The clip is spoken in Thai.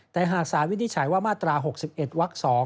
แต่หากสารวินิจฉัยว่ามาตรา๖๑วัก๒